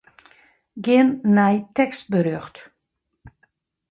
Gean nei tekstberjocht.